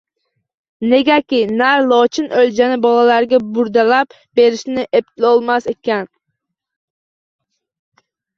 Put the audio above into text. Negaki, nar lochin o’ljani bolalariga burdalab berishni eplolmas ekan.